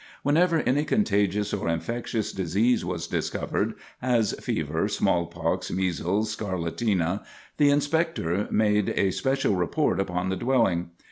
Whenever any contagious or infectious disease was discovered, as fever, smallpox, measles, scarlatina, the Inspector made a special report upon the dwelling.